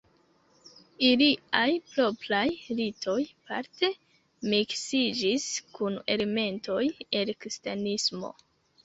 Iliaj propraj ritoj parte miksiĝis kun elementoj el kristanismo.